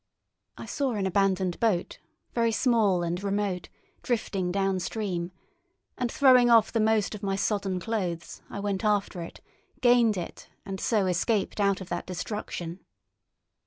I saw an abandoned boat, very small and remote, drifting down stream; and throwing off the most of my sodden clothes, I went after it, gained it, and so escaped out of that destruction.